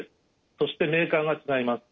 そしてメーカーが違います。